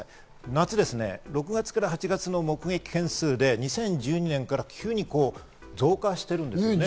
夏ですね、６月から８月の目撃件数で２０１２年から急に増加しているんですね。